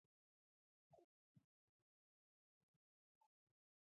د هند پلازمینه نوی ډهلي ده.